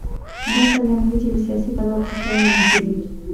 دا څرګندوي چې له سیاسي پلوه کوم شیان ممکن دي.